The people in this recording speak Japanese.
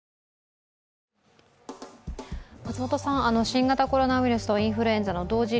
新型コロナウイルスとインフルエンザの同時